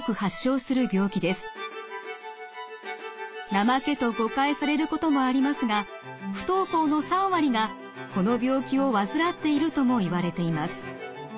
怠けと誤解されることもありますが不登校の３割がこの病気を患っているともいわれています。